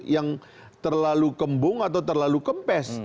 yang terlalu kembung atau terlalu kempes